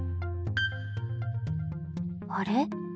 あれ？